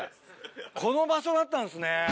この場所だったんですね。